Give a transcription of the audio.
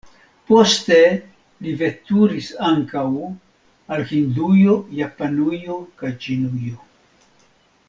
Poste li veturis ankaŭ al Hindujo, Japanujo kaj Ĉinujo.